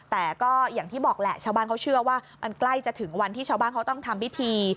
แต่ก็อย่างที่บอกแหละชาวบ้านเขาเชื่อว่ามันใกล้จะถึงวันที่ชาวบ้านเขาต้องทำพิธี